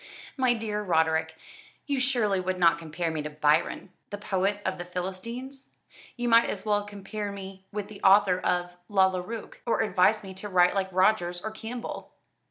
"My dear Roderick, you surely would not compare me to Byron, the poet of the Philistines. You might as well compare me with the author of 'Lalla Rookh,' or advise me to write like Rogers or Campbell."